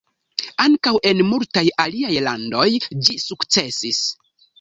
Ankaŭ en multaj aliaj landoj ĝi sukcesis.